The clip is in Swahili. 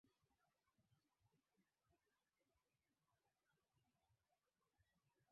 Nimesahau kuzima taa